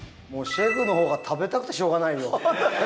シェフの方食べたくてしょうがないよ。